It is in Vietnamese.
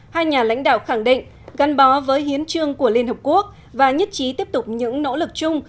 hai nhà lãnh đạo khẳng định gắn bó với hiến trương của liên hợp quốc và nhất trí tiếp tục những nỗ lực chung